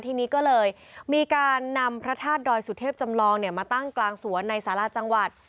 ทีนี้ก็เลยมีการนำพระธาตุดอยสุเทพจำลองมาตั้งกลางสวนในสาราจังหวัด